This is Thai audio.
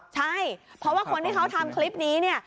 ใช่เพราะว่าคนที่เขาทำคลิปนี้เนี่ย